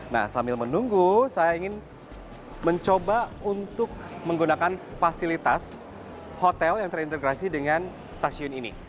nah sambil menunggu saya ingin mencoba untuk menggunakan fasilitas hotel yang terintegrasi dengan stasiun ini